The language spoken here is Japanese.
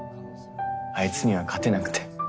あいつには勝てなくて。